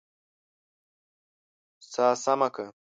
سا سمه که!